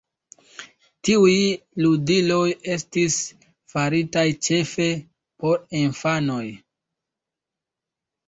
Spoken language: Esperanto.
Tiuj ludiloj estis faritaj ĉefe por infanoj.